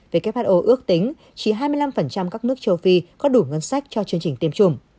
who ước tính chỉ hai mươi năm các nước châu phi có đủ ngân sách cho chương trình tiêm chủng